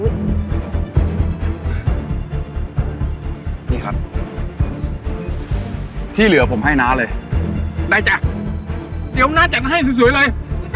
นี่ครับที่เหลือผมให้น้าเลยได้จ้ะเดี๋ยวน้าจัดให้สวยเลย